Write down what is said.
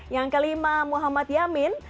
yang kelima muhammad yamin